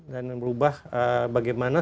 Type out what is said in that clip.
dan merubah bagaimana